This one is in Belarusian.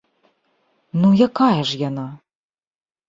Ну, якая ж яна?